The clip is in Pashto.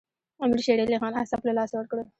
امیر شېر علي خان اعصاب له لاسه ورکړل.